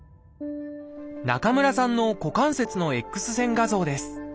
中村さんの股関節のＸ線画像です。